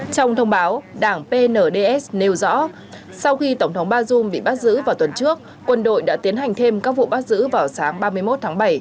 trong thông báo đảng pnds nêu rõ sau khi tổng thống bazoum bị bắt giữ vào tuần trước quân đội đã tiến hành thêm các vụ bắt giữ vào sáng ba mươi một tháng bảy